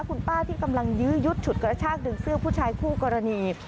คุณป้าที่กำลังยื้อยุดฉุดกระชากดึงเสื้อผู้ชายคู่กรณี